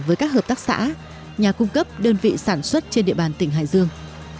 với các hợp tác xã nhà cung cấp đơn vị sản xuất trên địa bàn tỉnh hải dương